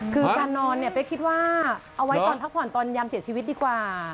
คือการนอนเนี่ยเป๊กคิดว่าเอาไว้ตอนพักผ่อนตอนยามเสียชีวิตดีกว่า